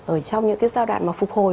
ở trong những cái giao đoạn mà phục hồi